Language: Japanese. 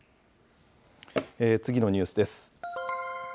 次のニュースです。